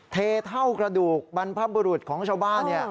เทเท่ากระดูกบรรพบุรุษของชาวบ้าน